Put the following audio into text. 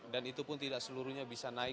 dan itu pun tidak seluruhnya bisa naik